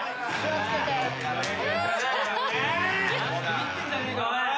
ビビってんじゃねえかおい。